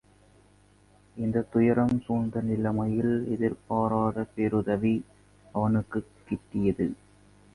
இந்தக் துயரம் சூழ்ந்த நிலைமையில் எதிர்பாராத பேருதவி அவனுக்குக் கிட்டியது.